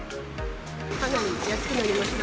かなり安くなりました。